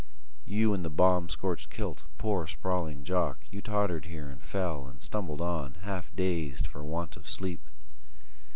You in the bomb scorched kilt, poor sprawling Jock, You tottered here and fell, and stumbled on, Half dazed for want of sleep.